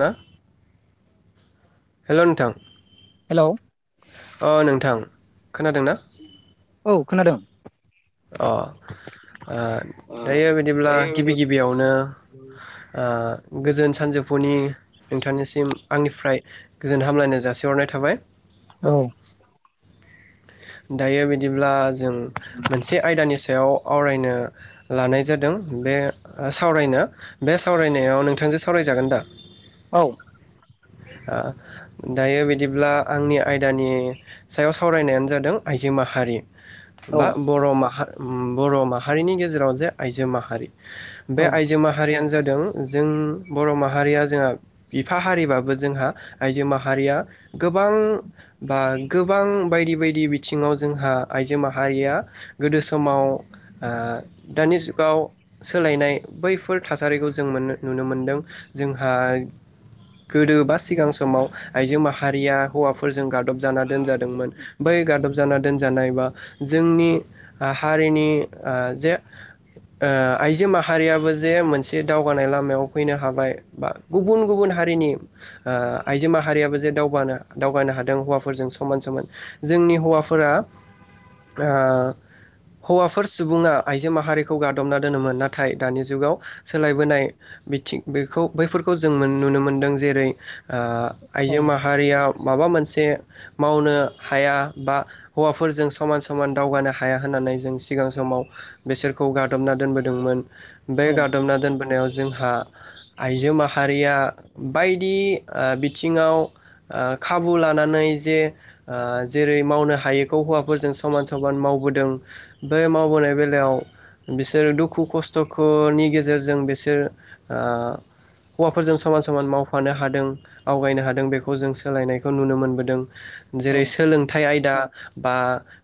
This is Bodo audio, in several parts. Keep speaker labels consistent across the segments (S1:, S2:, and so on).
S1: ना हेल' नोंथां।
S2: हेलौ
S1: अ नोंथां। खोनादों ना?
S2: औ खोनादों।
S1: अ ओ
S2: औ
S1: दायो बिदिब्ला गिबि गिबियावनो ओ गोजोन सानजौफुनि नोंथांनिसिम आंनिफ्राय गोजोन हामलायनाय जासिहरनाय थाबाय।
S2: औ।
S1: दायो बिदिब्ला जों मोनसे आयदानि सायाव आवरायनो लानाय जादों बे सावरायनो बे सावरायनायाव नोंथांजों सावरायजागोन दा?
S2: औ।
S1: ओ दायो बिदिब्ला आंनि आयदानि सायाव सावरायनायानो जादों आइजो माहारि।
S2: औ
S1: बा बर' माहा ओम बर' माहारिनि गेजेराव जे आइजो माहारि। बे
S2: औ
S1: आइजो माहारियानो जाद दों जों बर' माहारिया जोंहा बिफा हारिबा बो जोंहा आइजो माहारिया गोबां बा गोबां बायदि बायदि बिथिङाव जोंहा आइजो माहारिया गोदो सो समाव ओ-दानि सु गाव सोलायनाय बैफोर थासारिखौ जों मोननो नुनो मोनदों जोंहा। गोदो बा सिगां समाव आइजो माहारिया हौवाफोरजों गाब। जाना दोनजादोंमोन बै गादब जाना दोन जानाय बा जोंनि ओ हारिनि ओ जे ओ आइजो माहारियाबो जे मोनसे दावगानाय लामायाव फैनो हाबाय बा गुबुन गुबुन हारिनि। ओ आइजो माहारियाबो जे दावगानो दावगानो हादों हौवाफोरजों समान समान जोंनि हौवाफोरा ओ हौवाफोर सुबुङा आइजो माहारिखौ गादबना दोनोमोन नाथाय दानि जुगाव सोलायबोनाय बिथिं बेखौ बैफोरखौ जों नुनो मोनदों जेरै आ आइजो माहारियाव माबा मोनसे मावनो हाया बा हौवाफोरजों समान सम समान दावगानो हाया होन्नानै जों सिगां समाव बिसोरखौ गादबना दोनबोदोंमोन बे गादबना दोनबोनायाव जोंहा आइजो माहारिया बायदि ओ बिथिङाव ओ खाबु लानानै जे ओ जेरै मावनो हायैखौ हौवाफोरजों समान समान मावबोदों बे मावबोनाय बेलायाव बिसोरो दुखु खस्थखौनि गेजेरजों बिसोर हौवाफोरजों समान सम समान मावफानो हादों आवगायनो हादों बेखौ जों सोलायनायखौ नुनो मोनबोदों
S2: औ
S1: जेरै सोलोंथाइ आयदा दा बा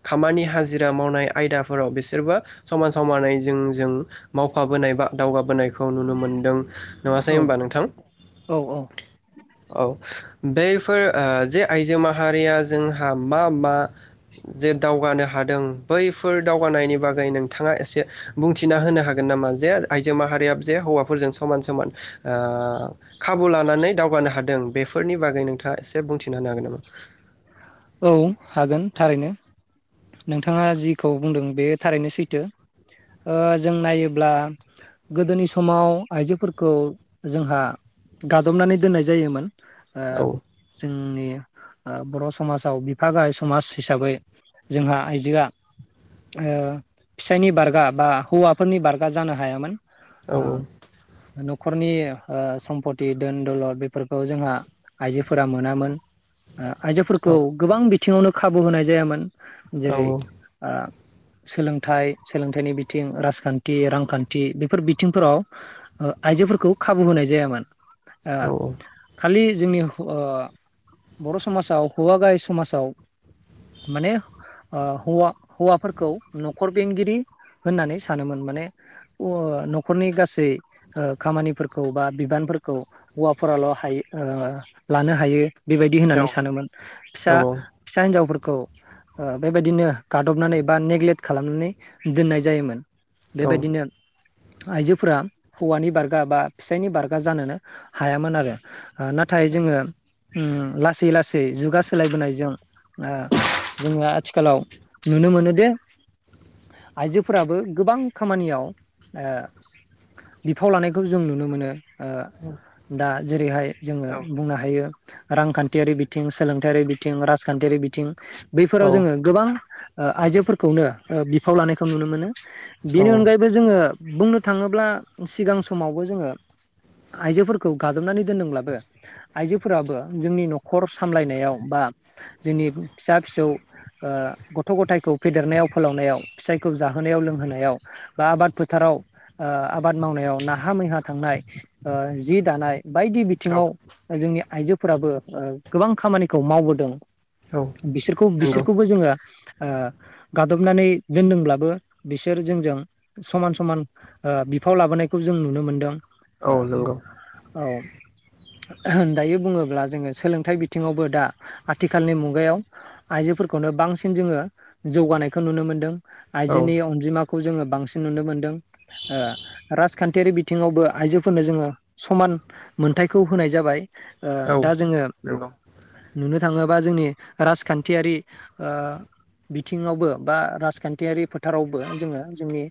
S1: खामानि हाजिरा मावनाय आयदाफोराव बिसोरबो समान समानै जों जों मावफाबोनाय बा दावगाबोनाय खौ नुनो मोनदों नङासै होनबा नोंथां
S2: औ औ
S1: औ बैफोर ओ जे आइजो माहारिया जोंहा मा मा जे दावगानो हादों बैफोर दावगानायनि बागै नोंथाङा एसे बुंथिना होनो हागोन नामा जे आइजो माहारिया जे हौवाफोरजों समान समान ओ खाबु लानानै नानै दावगानो हादों बेफोरनि बागै नोंथाङा एसे बुंथि होनो हागोन नामा
S2: औ हागोन थारैनो नोंथाङा जिखौ बुंदों बे थारैनो सैथो ओ जों नायोब्ला गोदोनि समाव आइजोफोरखौ जोंहा गादबनानै दोननाय जायोमोन ओ
S1: औ
S2: जोंनि ओ बर' समाजाव बिफा गाहाय समाज हिसाबै जोंहा आइजोआ ओ फिसायनि बारगा बा हौवाफोरनि बारगा जानो हायामोन आ
S1: औ
S2: नखरनि ओ सम्पति दोन दलद बेफोरखौ जोंहा आइजोफोरा मोनामोन आइजोफोरखौ गोबां बिथिङावनो खाबु होनाय जायामोन
S1: औ
S2: जेरै आ सोलोंथाइ सोलोंथाइनि बिथिं राजखान्थि रांखान्थि बेफोर बिथिंफोराव ओ आइजोफोरखौ खाबु होनाय जायामोन। ओ
S1: औ औ
S2: खालि जोंनि हौ ओ बर' समाजाव हौवा गाहाय समाजाव माने ओ हौवा हौवाफोरखौ न'खर बेंगिरि होननानै सानोमोन माने ओ नख'रनि गासै खामानिफोरखौ बा बिबानफोरखौ हौवाफोराल हायो ओ लानो हायो बेबायदि
S1: औ
S2: होननानै सानोमोन फिसा
S1: औ
S2: फिसा हिनजावफोरखौ खौ ओ बेबायदिनो गादबनानै बा नेग्लेक्ट खालामनानै दोननाय जायोमोन। बेबायदिनो आइजोफोरा हौवानि बारगा बा फिसायनि बारगा जानोनो हायामोन आरो। ओ नाथाय जोङो ओम लासै लासै जुगा सोलायबोनायजों ओ जोङो आथिखालाव नुनो मोनोदि आइजोफोराबो गोबां खामानियाव ओ बिफाव लानायखौ जों नुनो मोनो। ओ दा जेरैहाय जोङो
S1: औ
S2: बुंनो हायो रांखान्थियारि बिथिं सोलोंथायारि बिथिं राजखान्थियारि बिथिं बैफोराव जोङो गोबां ओ आइजोफोरखौनो बिफाव लानायखौ नुनो मोनो। बेनि
S1: औ
S2: अनगायैबो जोङो बुंनो थाङोब्ला सिगां समावबो जोङो आइजोफोरखौ गाजोबनानै दोनदोंब्लाबो आइजोफोराबो जोंनि न'खर सामलायनायाव बा जोंनि फिसा फिसौ ओ गथ' गथायखौ फेदेरनायाव फोलावनायाव फिसायखौ जाहोनायाव लोंहोनायाव बा आबाद फोथाराव ओ आबाद मावनायाव नाहा मैहा थांनाय ओ जि दानाय बायदि
S1: औ
S2: बिथिङाव ओ जोंनि आइजोफोराबो ओ गोबां खामानिखौ मावबोदों।
S1: औ
S2: बिसोरखौ
S1: नंगौ
S2: बिसोरखौबो जोङो ओ गादबनानै दोनदोंब्लाबो बिसोर जोंजों समान समान ओ बिफाव लाबोनायखौ जों नुनो मोनदों।
S1: औ नंगौ
S2: ए औ दायो बुङोब्ला जोङो सोलोंथाइ बिथिङावबो दा आथिखालनि मुगायाव आइजोफोरखौनो बांसिन जोङो जौगानायखौ नुनो मोनदों।
S1: औ
S2: आइजोनि अनजिमाख खौ जोङो बांसिन नुनो मोन्दों। ओ राज खान्थियारि बिथिङावबो आइजोफोरनो जोङो समान मोनथायखौ होनाय जाबाय ओ
S1: औ
S2: दा जोङो
S1: नंगौ
S2: नुनो थाङोबा जोंनि राजखान्थियारि ओ बिथिङावबो बा राजखान्थियारि फोथारावबो जोङो जोंनि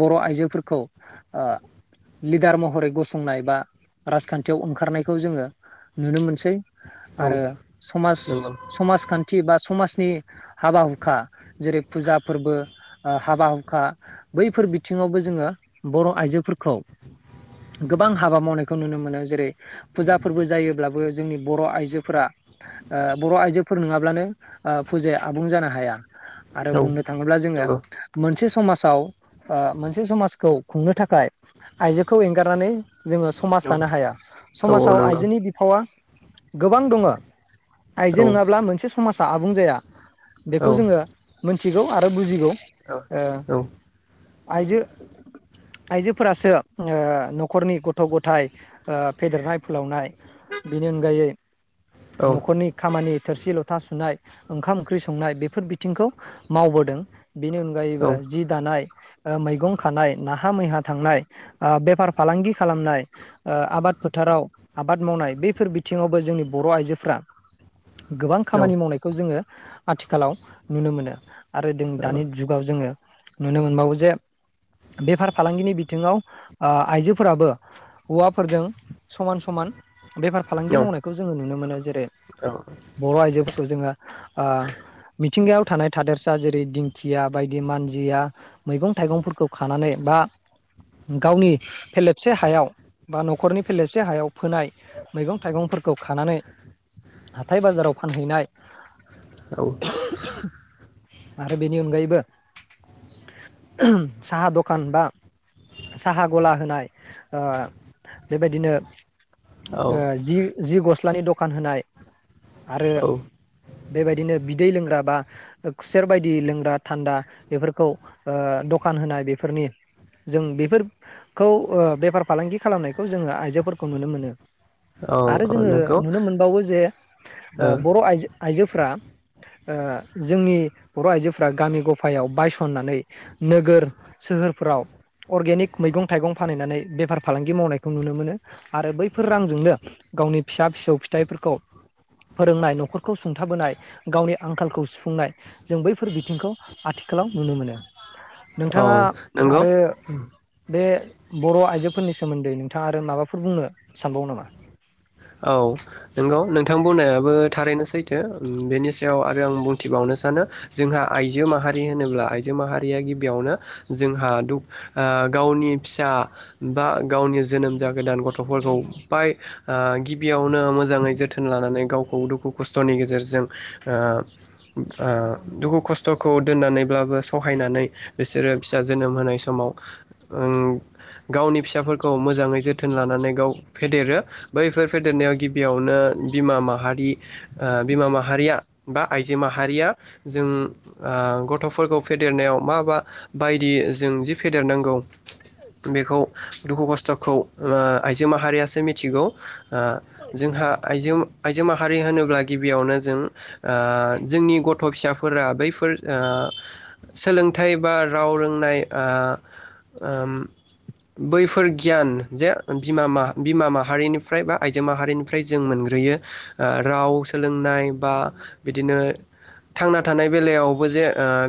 S2: बर' आइजोफोरखौ लिडार महरै गसंनाय बा राजखान्थियाव ओंखारनायखौ जोङो नुनो मोनसै
S1: औ
S2: आरो समाज
S1: नंगौ
S2: समाज बा समाजनि हाबा हुखा जेरै फुजा फोरबो हाबा हुखा बैफोर बिथिङावबो जोङो बर' आइजोफोरखौ गोबां हाबा मावनायखौ नुनो मोनो जेरै फुजा फोरबो जायोब्लाबो जोंनि बर' आइजोफोरा बर' आइजो फोर नङाब्लानो फुजाया आबुं जानो हाया आरो
S1: औ नंगौ औ
S2: बुंनो
S1: नंगौ
S2: थाङोब्ला जोङो मोनसे समाजाव मोनसे समाजखौ खुंनो थाखाय आइजोखौ एंगारनानै जोङो समाज
S1: औ
S2: दानो हाया समाजाव
S1: औ
S2: आइजोनि बिफावा गोबां दङ आयजो नोङा समाजा आबुं जाया बेखौ जोङो मोनथिगौ आरो बुजिगौ
S1: औ
S2: ओ
S1: औ
S2: आइजो आइजोफोरासो न'खरनि गथ' गथाय फेदेरनाय फोलावनाय बेनि अनगायै
S1: औ
S2: न'खरनि खामानि थोरसि लथा सुनाय ओंखाम ओंख्रि संनाय बेफोर बिथिंखौ मावबोदों बेनि
S1: औ
S2: अनगायैबो जि दानाय मैगं खानाय नाहा मैहा थांनाय बेफार फालांगि खालामनाय आबाद फोथाराव आबाद मावनाय बेफोर बिथिङावबो जोंनि बर' आइजोफोरा गोबां
S1: औ
S2: खामानि मावनायखौ जोङो आथिखालाव नुनो मोनो आरो जों दानि जुगाव जोङो नुनो मोनबावो जे बेफार फालांगिनि बिथिङाव आइजोफोराबो हौवाफोरजों समान समान बेफार फालांगि
S1: औ
S2: मावनायखौ जोङो नुनो मोनो जेरै बर' आइजोफोरखौ जोङो ओ मिथिंगायाव थानाय थादेरसा जेरै दिंखिया बायदि मानजिया मैगं थाइगंफोरखौ खानानै बा गावनि फेलेबसे हायाव बा न'खरनि फेलेबसे हायाव फोनाय मैगं थाइगंफोरखौ खानानै हाथाय बाजाराव फानहैनाय आरो बेनि अनगायैबो साहा दखान बा साहा गला होनाय बेबायदिनो
S1: औ
S2: जि जि गस्लानि दखान होनाय आरो
S1: औ
S2: बेबायदिनो बिदै लोंग्रा बा खुसेर बायदि लोंग्रा थान्दा बेफोरखौ दखान होनाय बेफोरनि जों बेफोरखौ बेफार फालांगि खालामनायखौ जोङो आइजोफोरखौ नुनो मोनो
S1: औ
S2: आरो जोङो
S1: नंगौ
S2: नुनो मोनबावो जे बर' आइजो आइजोफोरा ओ जोंनि बर' आइजोफोरा गामि गफायाव बायसननानै नोगोर सोहोरफ्राव अर्गेनिक मैगं थाइगं फानहैनानै बेफार फालांगि मावनायखौ नुनो मोनो आरो बैफोर रांजोंनो गावनि फिसा फिसौ फिथाइफोरखौ फोरोंनाय न'खरखौ सुंथाबोनाय गावनि आंखालखौ सुफुंनाय जों बैफोर बिथिंखौ आथिखालाव नुनो मोनो
S1: औ
S2: नोंथाङा
S1: नंगौ
S2: आरो बे बर' आइजोफोरनि सोमोन्दै नोंथाङा आरो माबाफोर बुंनो सानबावो नामा
S1: औ नंगौ नोंथां बुंनायाबो थारैनो सैथो बेनि सायाव आरो आं बुंथिबावनो सानो जोंहा आइजो माहारि होनोब्ला आइजो माहारिया गिबियावनो जोंहा गावनि फिसा बा गावनि जोनोम जागोदान गथ'फोरखौहाय बेयावनो मोजाङै जोथोन लानानै गावखौ दुखु खस्थ'नि गेजेरजों दुखु खस्थ'खौ दोननानैब्लाबो सहायनानै बिसोरो फिसा जोनोम होनाय समाव गावनि फिसाफोरखौ मोजाङै जोथोन लानानै गाव फेदेरो बै फोर फेदेरनायाव गिबियावनो बिमा माहारि बिमा माहारिया बा आइजो माहारिया जों गथ'फोरखौ फेदेरनायाव मााबा बायदि जों जि फेदेरनांगौ बेखौ दुखु खस्थ'खौ आइजो माहारियासो मिथिगौ जोंहा आइजो आइजो माहारि होनोब्ला गिबियावनो जों जोंनि गथ' फिसाफोरा बैफोर सोलोंथाइ बा राव रोंनाय बैफोर गियान जे बिमा बिमा माहारिनि बा आइजो माहारिनिफ्राय जों मोनग्रोयो राव सोलोंनाय बा बिदिनो थांना थानाय बेलायाव बो जे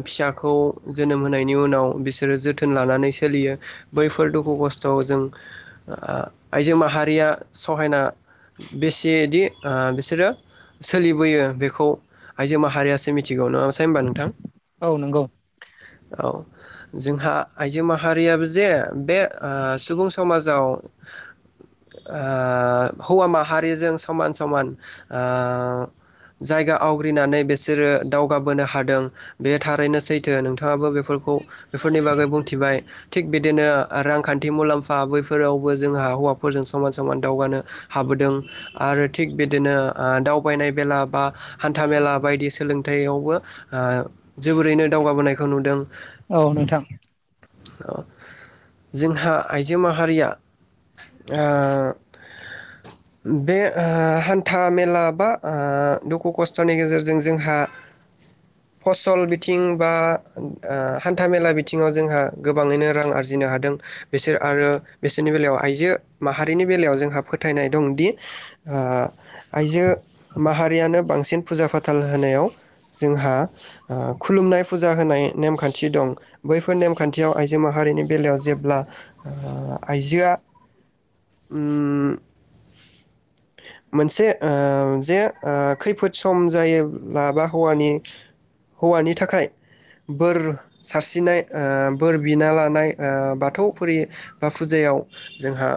S1: फिसाखौ जोनोम होनायनि उनाव बिसोरो जोथोन लानानै सोलियो बैफोर दुखु खस्थ'आव जों आइजो माहारिया सहायना बेसेदि बिसोरो सोलिबोयो बेखौ आइजो माहारियासो मिथिगौ नङासै होनबा नोंथां
S2: औ नंगौ
S1: औ जोंहा आइजो माहारियाबो जे बे सुबुं समाजाव हौवा माहारिजों समान समान जायगा आवग्रिनानै बिसोरो दावगाबोनो हादों बे थारैनो सैथो नोंथाङाबो बेफोरखौ बेफोरनि बागै बुंथिबाय थिग बिदिनो रांखान्थि मुलाम्फा बैफोरावबो जोंहा हौवाफोरजों समान समान समान दावगानो हाबोदों आरो थिग बिदिनो दाउ बायनाय बेेला बा हान्था मेला बायदि सोलोंथाइयावबो जोबोरैनो दावगाबोनायखौ नुदों
S2: औ नोंथां
S1: जोंहा आइजो माहारिया बे हान्था मेला बा दुखु खस्थ'नि गेजेरजों जोंहा फसल बिथिं बा हान्था मेला बिथिङाव जोंहा गोबाङैनो रां आरजिनो हादों बिसोर आरो बिसोरनि बेलायाव आइजो माहारिनि बेलायाव जोंहा फोथायनाय दंदि आइजो माहारियानो बांसिन फुजा फाथाल होनायाव जोंहा खुलुमनाय फुजा होनाय नेमखान्थि दं बैफोर नेमखान्थियाव आइजो माहारिनि बेलायाव जेब्ला आइजोआ उम मोनसे जे खैफोद सम जायोब्ला बा हौवानि हौवानि थाखाय बोर सारस्रिनाय बोर बिना लानाय बाथौ फुरि बा फुजायाव जोंहा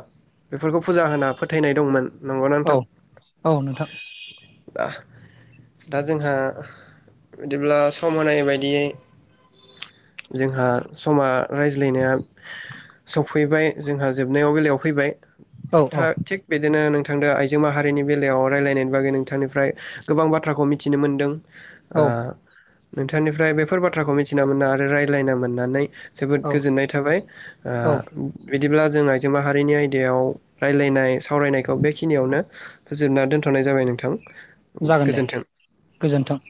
S1: बेफोरखौ फुजा होना फोथायनाय दंमोन नंगौना
S2: औ
S1: नोंथां?
S2: औ नोंथां
S1: दा जोंहा बिदिब्ला सम होनाय बायदियै जोंहा समा रायज्लायनाया सफैबाय जोंहा जोबनायाव बेलायाव फैबाय
S2: औ औ
S1: थिग बिदिनो नोंथां नोंथांजों आइजो माहारिनि बेलायाव रायजलायनायनि बागै नोंथांनिफ्राय गोबां बाथ्राखौ मिथिनो मोनदों
S2: औ
S1: ओ नोंथांनिफ्राय बेफोर बाथ्राखौ मिथिना मोना आरो रायज्लायना मोननानै जोबोद
S2: औ
S1: गोजोननाय थाबाय
S2: औ
S1: बिदिब्ला जों आइजो माहारिनि आयदायाव रायज्लायनाय सावरायनायखौ बेखिनियावनो होजोबना दोनथ'नाय जाबाय नोंथां
S2: जागोन दे
S1: गोजोन्थों।
S2: गोजोन्थों